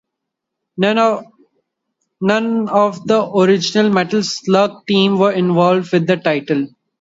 None of the original "Metal Slug" team were involved with the title.